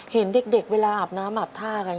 เห็นเด็กเวลาอาบน้ำอาบท่ากัน